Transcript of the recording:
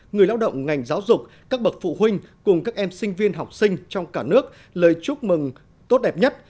người lao động ngành giáo dục các bậc phụ huynh cùng các em sinh viên học sinh trong cả nước lời chúc mừng tốt đẹp nhất